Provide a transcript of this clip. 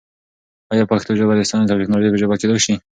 آیا پښتو ژبه د ساینس او ټیکنالوژۍ ژبه کېدای شي؟